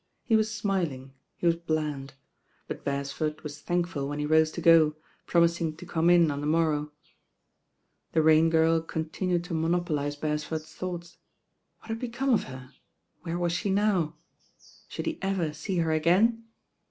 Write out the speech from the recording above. He was 1 <t THE RAm OIRL ili< smiling, he was bland; but Beresford was thankful when he rose to gQ, promising to come in on the morrow. The Rain Girl continued to monopolise Beres ford's thoughts. What had become of her? Where was she now? Should he ever see her again?